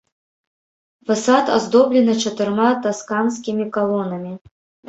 Фасад аздоблены чатырма тасканскімі калонамі.